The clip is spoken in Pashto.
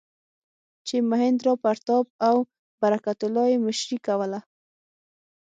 چې مهیندراپراتاپ او برکت الله یې مشري کوله.